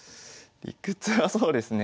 理屈はそうですね